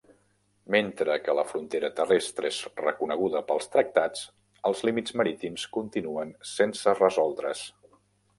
Mentre que la frontera terrestre és reconeguda pels tractats, els límits marítims continuen sense resoldre's.